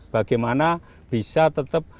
bagaimana bisa tetap